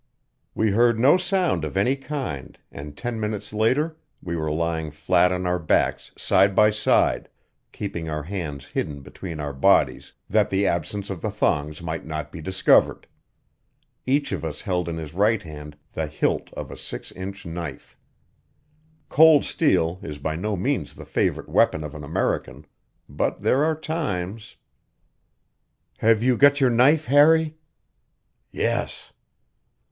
We heard no sound of any kind, and ten minutes later we were lying flat on our backs side by side, keeping our hands hidden between our bodies, that the absence of the thongs might not be discovered. Each of us held in his right hand the hilt of a six inch knife. Cold steel is by no means the favorite weapon of an American, but there are times "Have you got your knife, Harry?" "Yes."